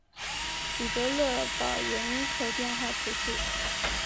吕泽勒堡人口变化图示